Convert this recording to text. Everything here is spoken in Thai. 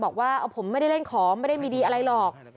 บอกว่าผมไม่ได้เล่นของไม่ได้มีดีอะไรหรอก